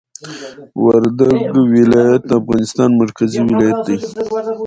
وردګ ولایت د افغانستان مرکزي ولایت دي